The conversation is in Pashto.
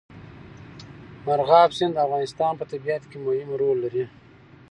مورغاب سیند د افغانستان په طبیعت کې مهم رول لري.